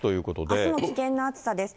あすも危険な暑さです。